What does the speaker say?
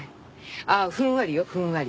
ああふんわりよふんわり。